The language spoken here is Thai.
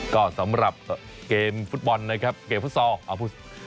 ก็สำหรับเกมฟุตบอลนะครับเกมฟุตซอล